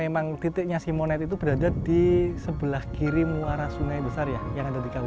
banyak sekali ini mayoritas